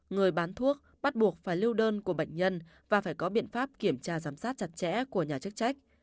người bán thuốc bắt buộc phải lưu đơn của bệnh nhân và phải có biện pháp kiểm tra giám sát chặt chẽ của nhà chức trách